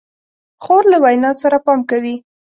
خور له وینا سره پام کوي.